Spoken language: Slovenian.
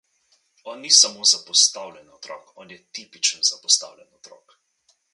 On ni samo zapostavljen otrok, on je tipičen zapostavljen otrok.